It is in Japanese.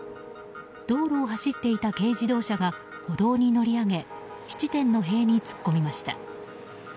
道路を走っていた軽自動車が歩道に乗り上げ質店の塀に突っ込みました。